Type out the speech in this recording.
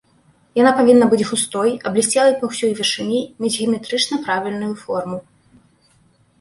Яна павінна быць густой, аблісцелай па ўсёй вышыні, мець геаметрычна правільную форму.